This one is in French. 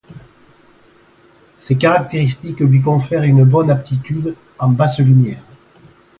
Ces caractéristiques lui confèrent une bonne aptitude en basse lumière.